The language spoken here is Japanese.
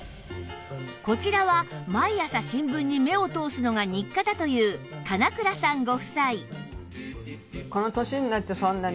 こちらは毎朝新聞に目を通すのが日課だという神永倉さんご夫妻